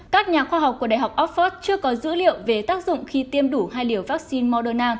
các nhà khoa học của đại học oxford chưa có dữ liệu về tác dụng khi tiêm đủ hai liều vaccine moderna